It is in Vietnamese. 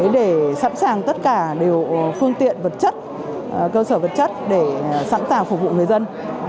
để sẵn sàng tất cả đều phương tiện vật chất cơ sở vật chất để sẵn sàng phục vụ người dân